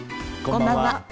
こんばんは。